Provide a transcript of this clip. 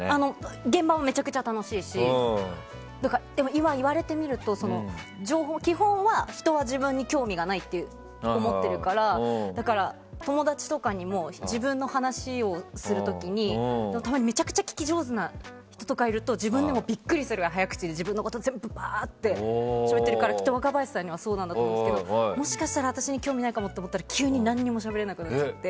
現場はめちゃくちゃ楽しいですけど今、言われてみると基本は、人は自分に興味がないって思ってるからだから、友達とかにも自分の話をする時にたまにめちゃくちゃ聞き上手な人とかいると自分でもビックリするくらい早口で自分のことを全部バーッて話しているからきっと若林さんにはそうだと思いますが私に興味がないかもと思ったら何も話せなくなっちゃって。